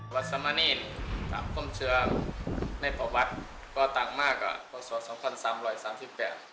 วัดสมณีย์ตามความเชื่อในประวัติก็ตั้งมากกว่าประวัติศาสตร์๒๓๓๘